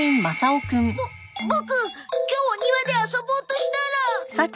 ボボク今日お庭で遊ぼうとしたら。